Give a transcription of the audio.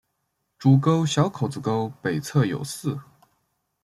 主沟小口子沟北侧有寺。